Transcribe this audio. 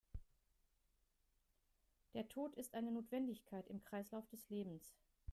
Der Tod ist eine Notwendigkeit im Kreislauf des Lebens.